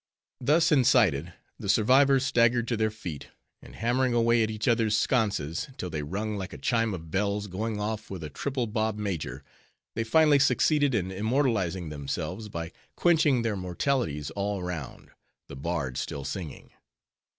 Thus incited, the survivors staggered to their feet; and hammering away at each others' sconces, till they rung like a chime of bells going off with a triple bob major, they finally succeeded in immortalizing themselves by quenching their mortalities all round; the bards still singing.